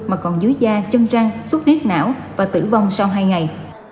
mà còn dưới da chân răng xuất hiếp não và tử vong sau hai ngày